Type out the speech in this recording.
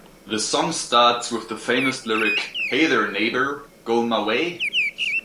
The song starts with the famous lyric: Hey there, neighbor, goin' my way?